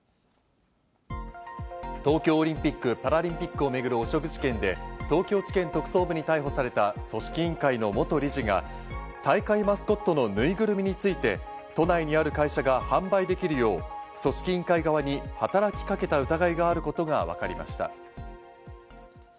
東京オリンピック・パラリンピックを巡る汚職事件で東京地検特捜部に逮捕された組織委員会の元理事が大会マスコットのぬいぐるみについて都内にある会社が販売できるよう組織委員会側に働きかけた疑いがあることがわかりました。